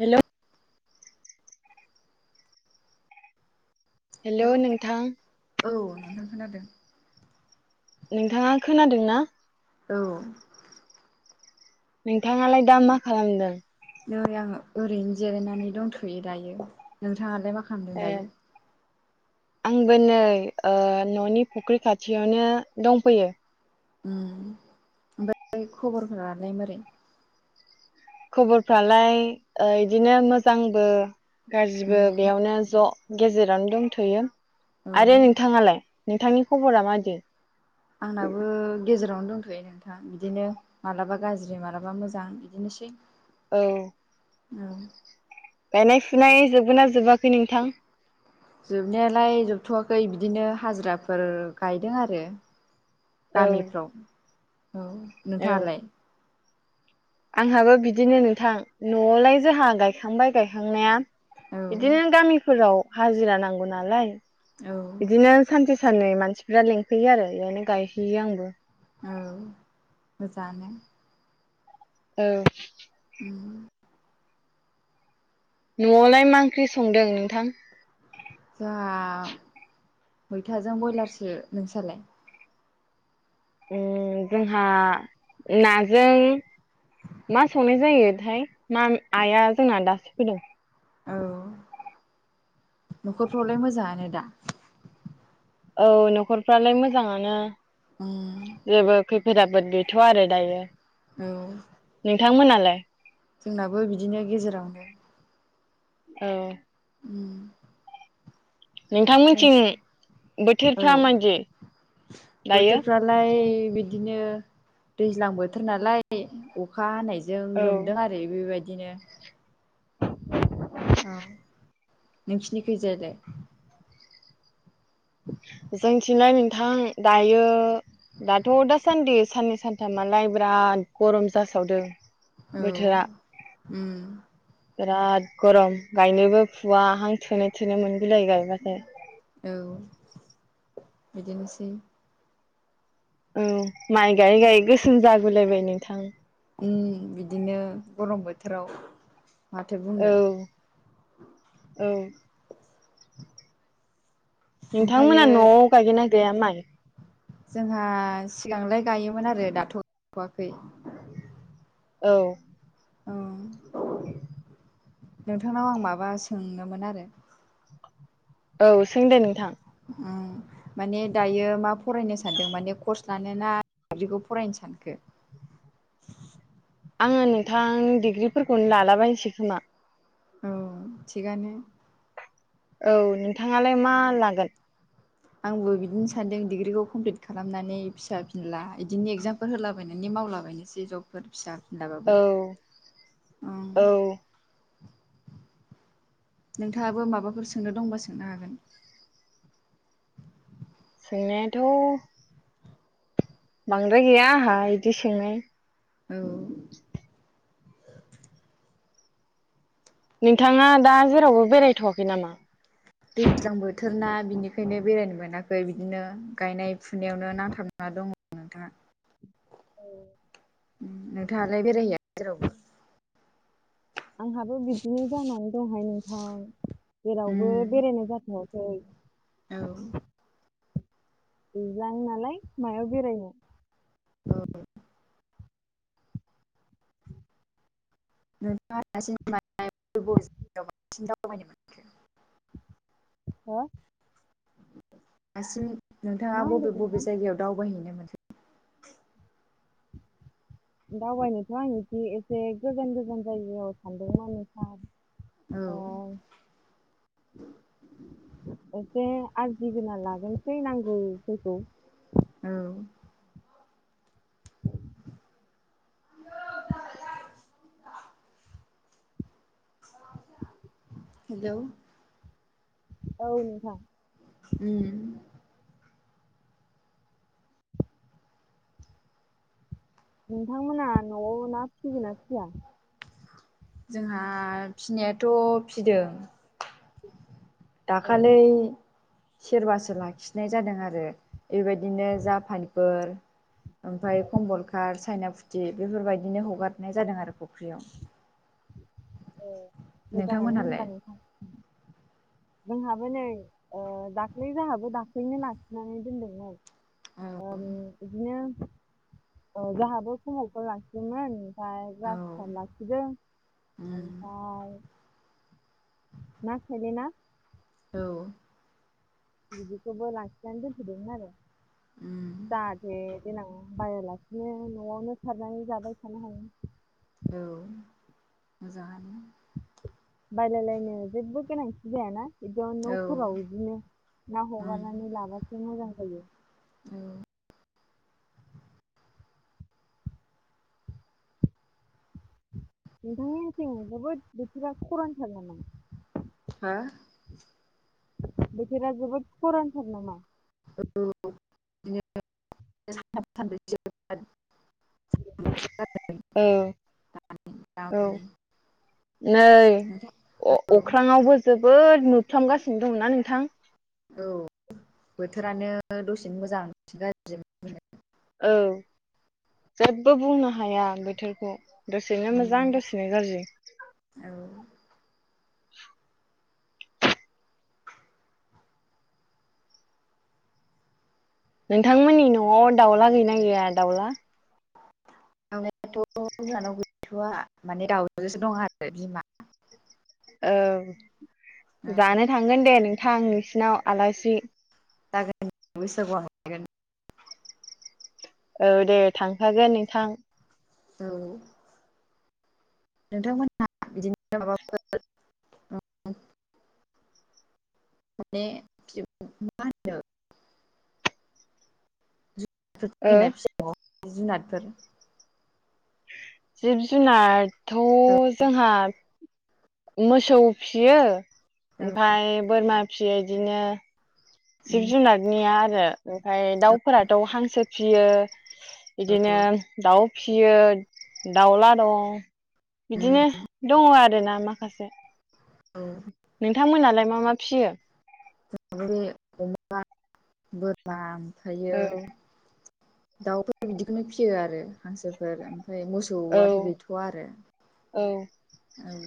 Hello hello नोंथां औ नोंथां खोनादों। नोंथाङा खोनादों ना? औ नोंथाङालाय दा मा खालामदों? नै आं ओरैनो जिरायनानै दंथ'यो दायो नोंथाङालाय मा खालामदों ए दायो? आंबो नै ओ न'नि फुख्रि खाथियावनो दंफैयो। ओम ओमफ्राय खबरफोरालाय मारै? खबरफ्रालाय बिदिनो मोजांबो गाज्रिबो उम बेयावनो ज' गेजेरावनो दंथ'यो। औ आरो नोंथाङालाय? नोंथांनि खबरा माबायदि? आंनाबो गेजेरावनो दंथ'यो नोंथां बिदिनो मालाबा गाज्रि मालाबा मोजां बिदिनो सै। औ औ गायनाय फुनाय जोबगोनना जोबा जोबनायालाय जोबथ'वाखै। बिदिनो हाजिराफोर गायदों आरो औ गामिफ्राव। औ औ नोंथाङालाय? आंहाबो बिदिनो नोंथां न'आवलाय जोंहा गायखांबाय गायखांनाया औ बिदिनो गामिफोराव हाजिरा नांगौ नालाय औ बिदिनो सानसे साननै मानसिफ्रा लिंफैयो आरो बेयावनो गायहैयो आंबो औ मोजाङानो औ उम न'आवलाय मा ओंख्रि संदों नोंथां जाहा मैथाजों ब्रयलारसो नोंस्रालाय ओ जोंहा नाजों मा संनाय जायोथाय ना आइआ जोंना दासो फैदों। औ न'खरफ्रावलाय मोजाङानो दा औ न'खरफ्रालाय मोजाङानो उम फोराबोद गैथ'आ आरो दायो औ लाय जोंनाबो बिदिनो गेजेरावनो औ उम उम नोंथांमोनथिं औ बोथोरफ्रा माबायदि दायो बोथोरफ्रालाय बिदिनो दैज्लां बोथोर नालाय बे अखा हानायजों औ लोमदों आरो बेबायद बिदिनो औ नोंसिनि खैजा दे जोंनिथिंलाय नोंथां दायो दाथ' दासान्दि साननै सानथामालाय बिराद गरम जासावदों। औ बोथोरा उम बिराद गरम गायनोबो फुवा हां थोनो थोनो मोनो बिलाय गायबाथाय औ बिदिनोसै औ माइ गायै गायै गोसोम जागोलायबाय नोंथां उम बिदिनो गरम बोथोराव माथो बुंनो औ औ नोंथांमोना ओमफ्रायो न'आव गायगोन ना गाया माय जोंहा सिगांलाय गायोमोन आरो दाथ' गायथ'वाखै औ औ नोंथांनाव आं माबा सोंनोमोन आरो औ सोंदे नोंथां माने दायो मा फरायनो सानदों माने कर्स लानोना मादिखौ फरायनो सानखो आङो नोंथां डिग्रिफोरखौनो लालाबायनोसै खोमा औ थिगानो औ नोंथाङालाय मा लागोन आंबो बिदिनो सान्दों दिडिग्रिखौ कमप्लिट खालामनानै फिसा फिनला बिदिनो एगजामफोर होलाबायनानै मावलाबायनोसै जबफोर फिसा फिनलाबाबो औ ओं औ नोंथाङाबो माबाफोर सोंनो दंबा सोंनो हागोन सोंनायाथ' बांद्राय गैया आंहा बिदि सोंनाय औ नोंथाङा दा जेरावबो बेरायथ'वाखै नामा दैज्लां बोथोर ना बिनिखायनो बेरायनो मोनाखै बिदिनो गायनाय फुनायावनो नांथाबना दङ नोंथाङा नोंथाङालाय बेरायहैया जेरावबो आंहाबो बिदिनो जानानै दंहाय नोंथां जेरावबो बेरायनाय जाथ'आखै दै औ बिजानो नालाय मायाव बेरायनो औ नोंथाङा दासिम बांसिन दावबायनो मोनाखै हा दासिम नोंथाङा मा होनदों बबे बबे नोंथां जायगायाव दावबायहैनो मोनदों दावबायनोथ' आं इदि एसे गोजान गोजान जायगायाव सानदोंमोनानो सार औ एसे आरजिगोना लागोनसै नांगौफोरखौ औ आ हेलौ औ नोंथां उम नोंथांमोना न'आव ना फिसिगोना फिया जोंहा फिनायाथ' फिदों औ दाखालि सेरबासो लाखिनाय जादों आरो बेबायदिनो जापानफोर ओमफ्राय कममलकात साइना फुथि बेफोरबायदिनो हगारनाय जादों आरो फुख्रियाव ए मोजाङानो नोंथांमोनहालाय होनबा नोंथां जोंहाबो नै दाख्लै जोंहाबो दाख्लैनो लाखिनानै दोनदोंमोन बिदिनो जोंहाबो समावफोर लाखियोन ओमफ्राय जा फुसार लाखिदों ओमफ्राय मा सायलिनाा औ बिदिखौबो लाखिनानै दोनथैदोंमोन आरो औ औ जाहाथे देनां बाहायालासिनो न'आवनो सारनानै जाबाय थानो हायो औ मोजाङानो बायलायलायनो जेबो गोनांथि जायाना बिदिनो औ न'फोराव बिदिनो ना ओं हगारनानै लाबासो मोजां जायो औ नोंथांनिथिं जोबोद बोथोरा खरानथार नामा हा बोथोरा जोबोद खरानथार नामा औ बिदि सानथाम सानब्रै औ [unintelligible] औ माने नै औ अ-अख्रांयावबो जोब बोद नुफ्रामगासिनो दंना नोंथां औ बोथोरानो दसेनो मोजां गाज्रि औ जेबो बुंनो हाया बोथोरखौ दसेनो मोजां उम दसेनो गाज्रि औ [inaudible] नोंथांमोननि न'आव दाउला गैना गैया दाउला दावलायाथ' जोंहानाव गैथ'वा माने दाउजोसो दं आरो बिमा औ जानो थांगोन दे नोंथां नोंसिनाव आलासि [unintelligible] औ दे थांखागोन नोंथां औ नोंथांमोनहा बिदिनो माबाफोर [unintelligible] माने मा होनदों ओ थिगिनाय फिसा जुनादफोर जिब जुनारथ' जोंहा मोसौ फियो औ ओमफ्राय बोरमा फियो बिदिनो जिब उम जुनारनिया आरो ओमफ्राय दाउफोराथ' हांसो फियो बिदिनो दाउ फियो दाउला दं बिदिनो दङ' आरोना माखासे औ नोंथांमोनालाय मा मा फियो थि अमा बोरमा ओमफ्रायो औ दाउफोर बिदिखौनो फियो आरो हांसोफोर ओमफ्राय औ मोसौआनो गैथ'वा आरो औ औ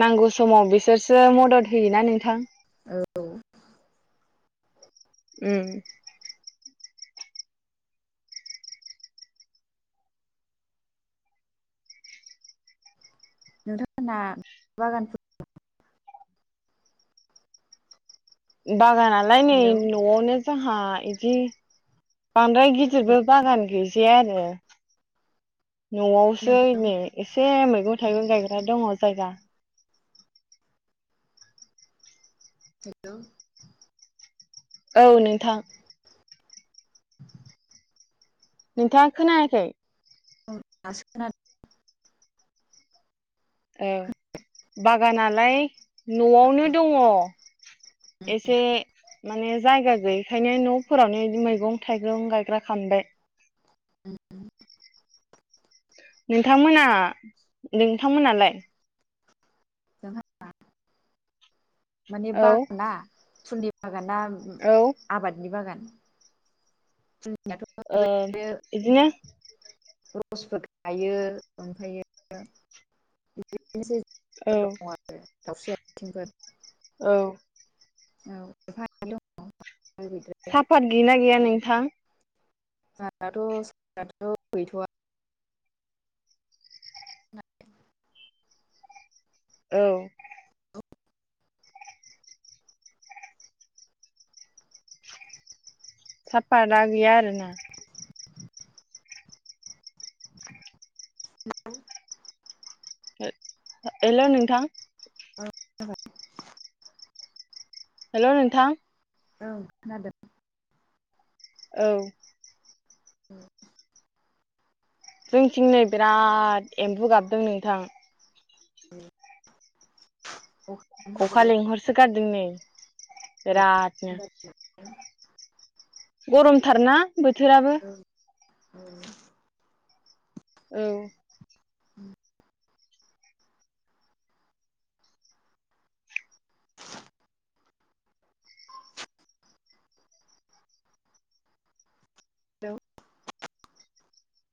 नांगौ समाव बिसोरसो मदद होयोना नोंथां औ उम नोंथांमोनहा बागान बागानालाय नै हेलौ न'आवनो जोंहा बिदि बांद्राय गिदिरबो हेलौ बागान गैजाया आरो न'आवसो नोंथां नै एसे मैगं थाइगं गायग्रा दङ' जायगा हेल' औ नोंथां नोंथाङा खोनायाखै औ दासो खोनादों। औ बागानालाय न'आवनो दङ' एसे माने जायगा गैयैखायनो न'फोरावनो मैगं थाइगं गायग्रा खामबाय [inaudible] नोंथांमोना नोंथांमोनालाय जोंहा माने औ बागाना फुलनि बागान बागाना औ ओ आबादनि बागान जोंनाथ' ओ बेबायदिनो बिदिनो पसफोर गायो ओमफ्रायो बिदि। बिदिनोसै औ दङ' आरो दावस्रि आथिंफोर। औ। [inaudible] गैद्राया साफात गैयना गैया नोंथां? जोंनाथ' साफाथ' गैथ'आ औ। साफाथ'आ गैया आरोना? [inaudible] हेल' नोंथां औ। हेल' नोंथां औ खोनादों। औ। [inaudible] जोंथिं नै बिराद एम्बु गाबदों नोंथां। अखा लेंहरसो गारदों नै। बिरादनो। थादों। गरमथारना बोथोराबो। औ [inaudible] औ। हेलौ।